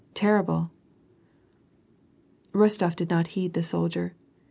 terrible !'' Rostof did not heed the soldier.